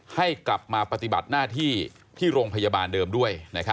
ให้กลับมาปฏิบัติหน้าที่ที่โรงพยาบาลเดิมด้วย